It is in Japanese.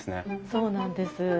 そうなんです。